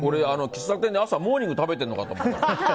喫茶店で朝、モーニングを食べてるのかと思った。